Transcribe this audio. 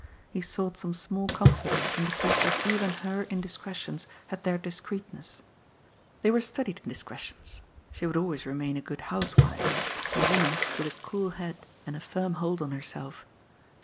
He sought some small comfort in the fact that even her indiscretions had their discreetness. They were studied indiscretions. She would always remain a good housewife, a woman with a cool head and a firm hold on herself.